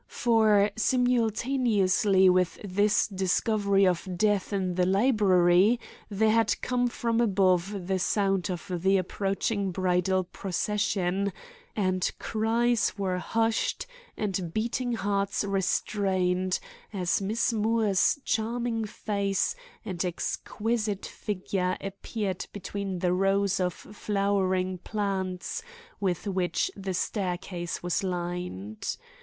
For simultaneously with this discovery of death in the library there had come from above the sound of the approaching bridal procession, and cries were hushed, and beating hearts restrained, as Miss Moore's charming face and exquisite figure appeared between the rows of flowering plants with which the staircase was lined.